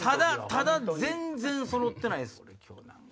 ただ全然揃ってないっす。